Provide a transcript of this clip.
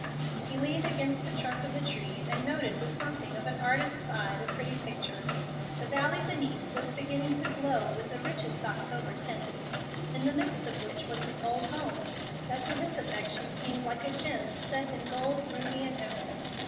He leaned against the trunk of the tree and noted with something of an artist's eye the pretty picture. The valley beneath was beginning to glow with the richest October tints, in the midst of which was his old home, that to his affection seemed like a gem set in gold, ruby, and emerald.